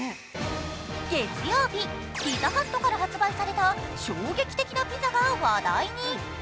月曜日、ピザハットから発売された衝撃的なピザが話題に。